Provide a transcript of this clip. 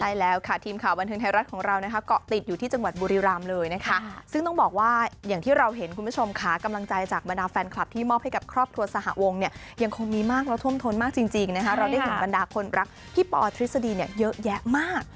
ใช่แล้วค่ะทีมข่าวบันเทิงไทยรัฐของเรานะคะเกาะติดอยู่ที่จังหวัดบุรีรำเลยนะคะซึ่งต้องบอกว่าอย่างที่เราเห็นคุณผู้ชมค่ะกำลังใจจากบรรดาแฟนคลับที่มอบให้กับครอบครัวสหวงเนี่ยยังคงมีมากและท่วมทนมากจริงนะคะเราได้เห็นบรรดาคนรักพี่ปอทฤษฎีเนี่ยเยอะแยะมาก